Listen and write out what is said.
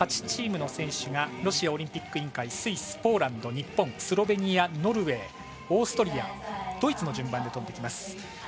８チームの選手がロシアオリンピック委員会スイス、ポーランド、日本スロベニアノルウェー、オーストリアドイツの順番に飛んできます。